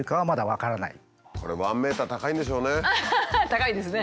高いですね。